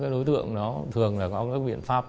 đối tượng nó thường là có các biện pháp